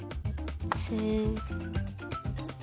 スッ。